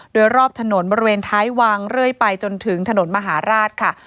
โดยรอบถนนบริเวณท้ายวังเรื่อยไปจนถึงถนนมหาราชค่ะ